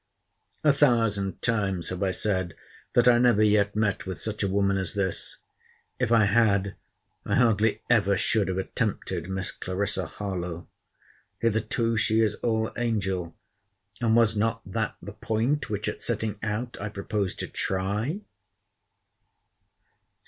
A thousand times have I said, that I never yet met with such a woman as this. If I had, I hardly ever should have attempted Miss Clarissa Harlowe. Hitherto she is all angel: and was not that the point which at setting out I proposed to try?